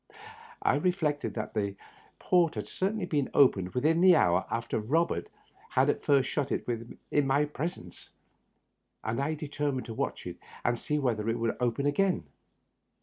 I reflected that the port had certainly been opened within an hour after Eobert had at first shut it in my presence, and I determined to watch it and see whether it would open again.